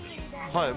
はい。